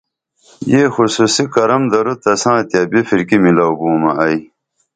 یہ خوصوصی کرم درو تساں تیہ بِپھرکی میلو بومہ ائی